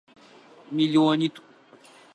Миллионитӏу.